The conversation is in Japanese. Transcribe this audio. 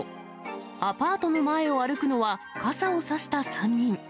アパートの前を歩くのは傘を差した３人。